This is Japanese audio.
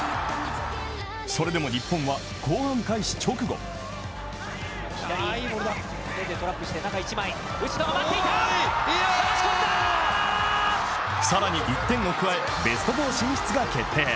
それでも日本は後半開始直後更に１点を加え、ベスト４進出が決定。